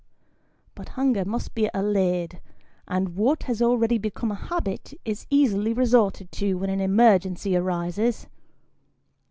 But hunger must be allayed, and what has already become a habit, is easily resorted to, when an emergency arises.